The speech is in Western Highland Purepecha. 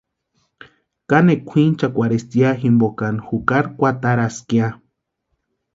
Kanekwa kwʼinchakwarhesti ya jimpokani jukari kwataraska ya.